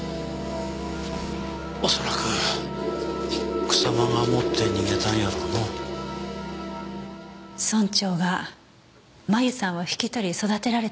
おそらく草間が持って逃げたんやろうのう。村長が麻由さんを引き取り育てられたのは。